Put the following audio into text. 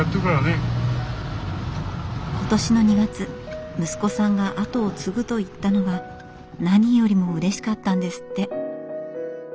今年の２月息子さんが後を継ぐと言ったのが何よりもうれしかったんですって。